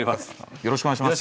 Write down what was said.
よろしくお願いします。